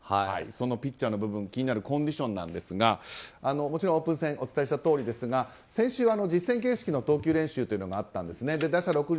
そのピッチャーの部分気になるコンディションですがもちろんオープン戦お伝えしたとおりですが先週、実戦形式の投球練習があったんですね。